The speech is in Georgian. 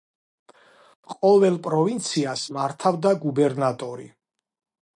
ყოველ პროვინციას მართავდა გუბერნატორი.